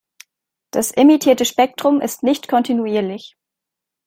Das emittierte Spektrum ist nicht kontinuierlich.